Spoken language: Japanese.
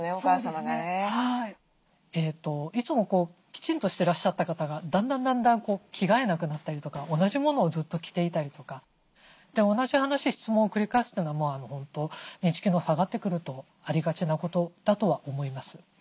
いつもきちんとしてらっしゃった方がだんだん着替えなくなったりとか同じものをずっと着ていたりとか同じ話質問を繰り返すというのは本当認知機能下がってくるとありがちなことだとは思います。